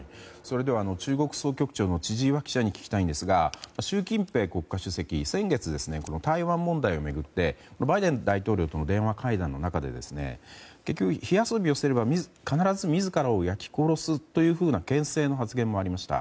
中国総局長の千々岩記者に聞きたいんですが習近平国家主席は先月、台湾問題を巡ってバイデン大統領との電話会談の中で結局、火遊びをすれば必ず自らを焼き殺すというような牽制の発言もありました。